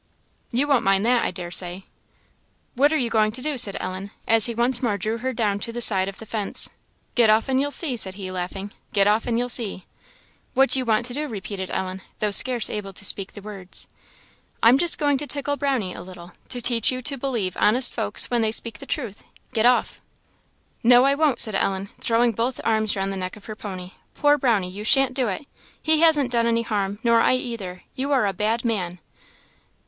You won't mind that, I dare say." "What are you going to do?" said Ellen, as he once more drew her down to the side of the fence. "Get off and you'll see," said he, laughing "get off and you'll see." "What do you want to do?" repeated Ellen, though scarce able to speak the words. "I'm just going to tickle Brownie a little, to teach you to believe honest folks when they speak the truth; get off!" "No, I won't," said Ellen, throwing both arms round the neck of her pony; "poor Brownie! you shan't do it. He hasn't done any harm, nor I either; you are a bad man!"